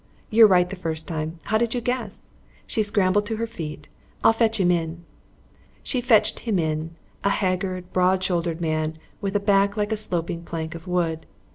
"You're right first time. How did you guess?" She scrambled to her feet. "I'll fetch him in." She fetched him in, a haggard, broad shouldered man with a back like a sloping plank of wood.